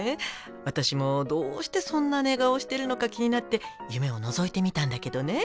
私もどうしてそんな寝顔をしてるのか気になって夢をのぞいてみたんだけどね。